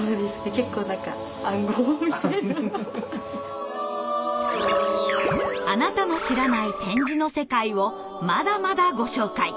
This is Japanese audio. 結構何かあなたの知らない点字の世界をまだまだご紹介！